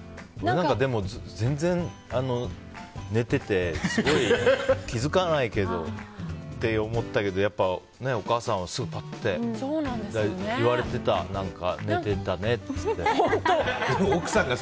でも、僕も全然寝てて気づかないけどって思ったけどやっぱりお母さんはすぐパッ！といわれてた、寝てたねって。